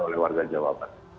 oleh warga jawa barat